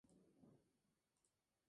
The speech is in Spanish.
Se enfrentaron entre El Nacional y Valdez.